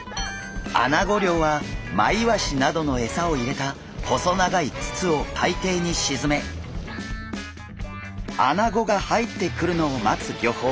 アナゴ漁はマイワシなどのエサを入れた細長い筒を海底にしずめアナゴが入ってくるのを待つ漁法。